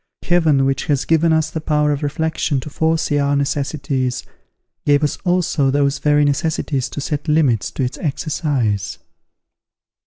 Heaven, which has given us the power of reflection to foresee our necessities, gave us also those very necessities to set limits to its exercise.